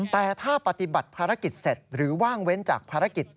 แต่ถ้าปฏิบัติภารกิจเสร็จหรือว่างเว้นจากภารกิจ